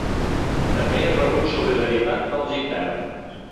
També he rebut solidaritat dels interns.